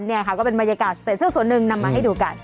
นี่ค่ะก็เป็นบรรยากาศเสร็จซึ่งส่วนหนึ่งนำมาให้ดูกัน